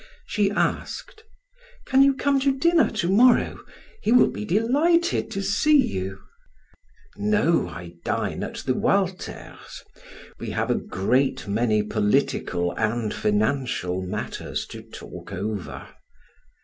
She asked: "Can you come to dinner to morrow? He will be delighted to see you." "No; I dine at the Walters. We have a great many political and financial matters to talk over."